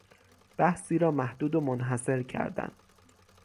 بحثی را محدود و منحصر کردن